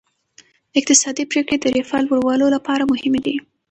اقتصادي پریکړې د رفاه لوړولو لپاره مهمې دي.